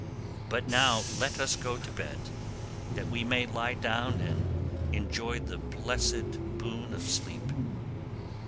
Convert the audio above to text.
But now let us go to bed, that we may lie down and enjoy the blessed boon of sleep."